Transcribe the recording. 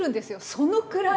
そのくらい。